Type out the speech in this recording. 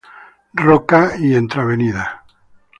Roca, y entre Av.